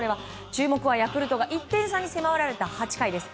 注目は、ヤクルトが１点差に迫られた８回です。